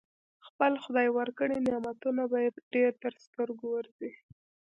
خپل خدای ورکړي نعمتونه به يې ډېر تر سترګو ورځي.